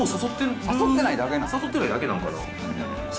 誘ってないだけなんかな。